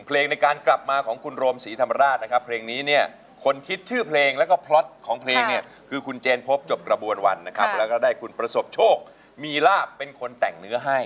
เพลงในการกลับมาของคุณโรมศรีธรรมราชนะครับเพลงนี้เนี่ยคนคิดชื่อเพลงแล้วก็พล็อตของเพลงเนี่ยคือคุณเจนพบจบกระบวนวันนะครับแล้วก็ได้คุณประสบโชคมีลาบเป็นคนแต่งเนื้อให้